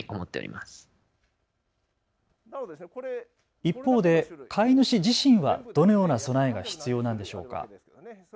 一方で飼い主自身はどのような備えが必要なんでしょうか。